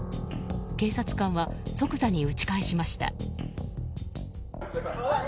警察官は即座に撃ち返しました。